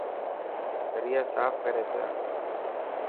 دريا صاف ڪري پيا.